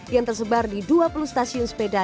yang tersebar di dua puluh stasiun sepeda